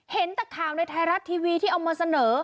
เห็นแต่ข่าวในไทยรัฐทีวีที่เอามาเสนอ